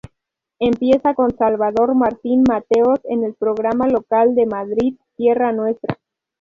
Empieza con Salvador Martín Mateos en el programa local de Madrid "Tierra Nuestra.